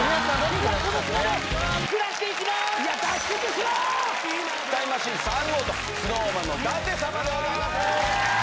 そうタイムマシーン３号とＳｎｏｗＭａｎの舘様でございます